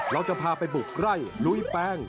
เราจะพาไปบุกไร่ลุยแป้ง